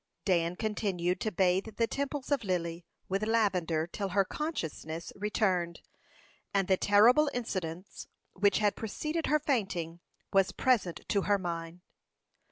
Dan continued to bathe the temples of Lily with lavender till her consciousness returned, and the terrible incident which had preceded her fainting was present to her mind.